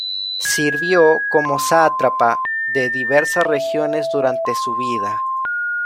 Sirvió como sátrapa de diversas regiones durante su vida.